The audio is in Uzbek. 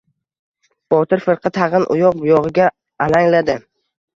Botir firqa tag‘in uyoq-buyog‘iga alangladi.